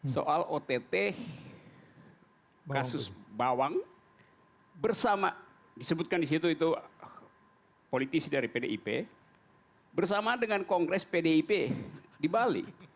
soal ott kasus bawang bersama disebutkan di situ itu politisi dari pdip bersama dengan kongres pdip di bali